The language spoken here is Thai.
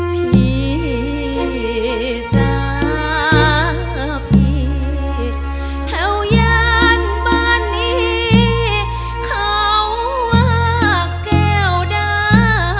พี่จ้าพี่แถวย่านบ้านนี้เขาว่าแก้วด้า